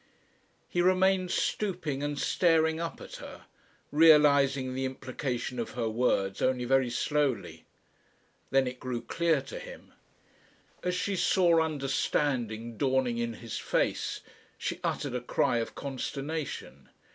He remained stooping and staring up at her, realising the implication of her words only very slowly. Then it grew clear to him. As she saw understanding dawning in his face, she uttered a cry of consternation.